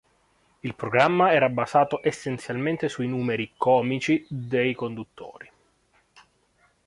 Il programma era basato essenzialmente sui numeri comici dei conduttori.